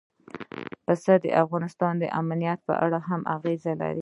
پسه د افغانستان د امنیت په اړه هم اغېز لري.